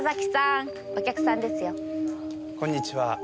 こんにちは。